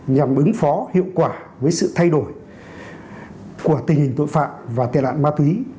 nhằm ứng phó hiệu quả với sự thay đổi của tình hình tội phạm và tệ nạn ma túy